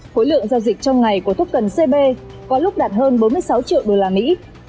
khối lượng giao dịch trong ngày của thuốc cần cb có lúc đạt hơn bốn mươi sáu triệu đô la mỹ